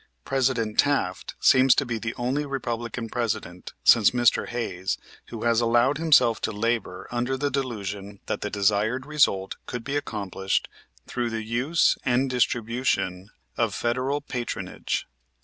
President Taft seems to be the only Republican President since Mr. Hayes who has allowed himself to labor under the delusion that the desired result could be accomplished through the use and distribution of Federal patronage.